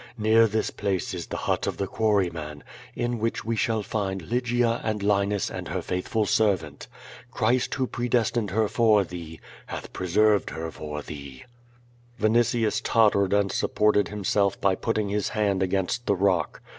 Near this place is the hut of the quarryman, in which we shall find Lygia and Linus and her faithful servant. Christ who predestined her for thee hath preserved her for thee." Vinitius tottered and supported himself by putting his hand against the rock.